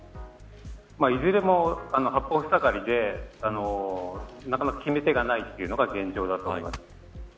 いずれも八方ふさがりでなかなか決め手がないというのが現状だと思います。